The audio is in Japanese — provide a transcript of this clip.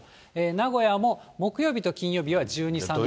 名古屋も木曜日と金曜日は１２、３度。